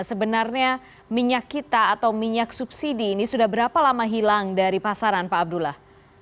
sebenarnya minyak kita atau minyak subsidi ini sudah berapa lama hilang dari pasaran pak abdullah